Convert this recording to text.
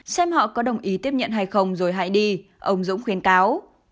xem họ có đồng ý tiếp nhận hay không rồi hãy đi ông dũng khuyến cáo